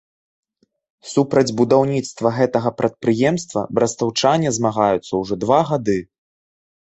Супраць будаўніцтва гэтага прадпрыемства брастаўчане змагаюцца ўжо два гады.